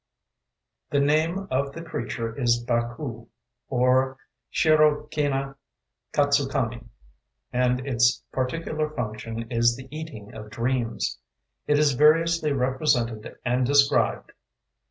The name of the creature is Baku, or Shirokinakatsukami; and its particular function is the eating of Dreams. It is variously represented and described.